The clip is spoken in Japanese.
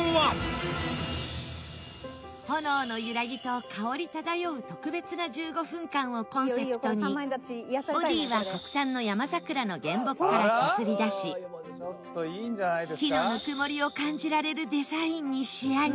「炎の揺らぎと香り漂う特別な１５分間」をコンセプトにボディーは国産の山桜の原木から削り出し木のぬくもりを感じられるデザインに仕上げ。